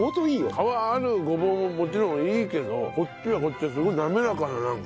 皮あるごぼうももちろんいいけどこっちはこっちですごい滑らかだなんか。